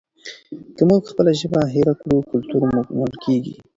که موږ خپله ژبه هېره کړو کلتور مو مړ کیږي.